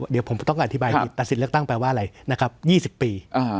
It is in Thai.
เดี๋ยวผมต้องอธิบายอีกตัดสินเลือกตั้งแปลว่าอะไรนะครับ๒๐ปี